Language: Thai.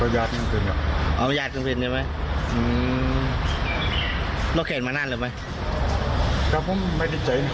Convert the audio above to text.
อ๋ออย่างจริงใช่ไหมอืมมานั่นหรือไม่ครับผมไม่ได้ใจ